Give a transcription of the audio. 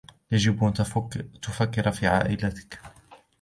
يجِب أن تفكر في عائلتكَ.